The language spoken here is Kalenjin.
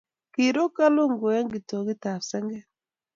Kiiru kulungu eng' kitogut ap sagek.